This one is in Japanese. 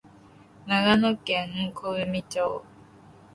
長野県小海町